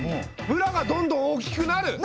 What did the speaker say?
ムラがどんどん大きくなる！